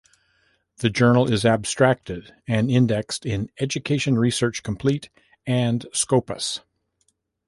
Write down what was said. The journal is abstracted and indexed in Education Research Complete and Scopus.